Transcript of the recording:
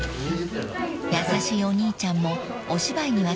［優しいお兄ちゃんもお芝居には厳しいんです］